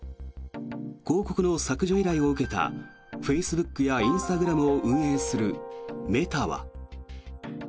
広告の削除依頼を受けたフェイスブックやインスタグラムを運営するメタは。